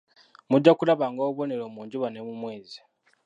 Mujja kulabanga obubunero mu njuba ne mu mwezi.